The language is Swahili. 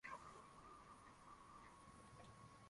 leo mkanyia na wimbo wake dunia hii